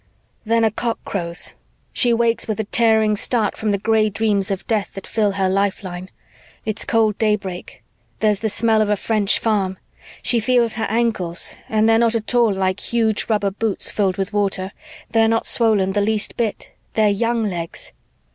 "Then a cock crows. She wakes with a tearing start from the gray dreams of death that fill her lifeline. It's cold daybreak. There's the smell of a French farm. She feels her ankles and they're not at all like huge rubber boots filled with water. They're not swollen the least bit. They're young legs.